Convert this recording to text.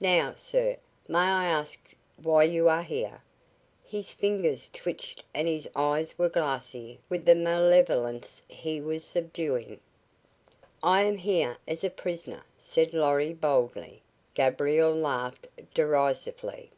Now, sir, may I ask why you are here?" His fingers twitched and his eyes were glassy with the malevolence he was subduing. "I am here as a prisoner," said Lorry, boldly. Gabriel laughed derisively.